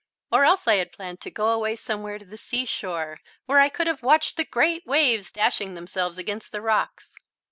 Or else I had planned to go away somewhere to the seashore, where I could have watched the great waves dashing themselves against the rocks.